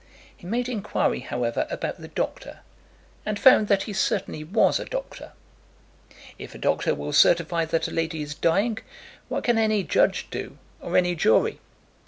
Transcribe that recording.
He made inquiry, however, about the doctor, and found that he certainly was a doctor. If a doctor will certify that a lady is dying, what can any judge do, or any jury?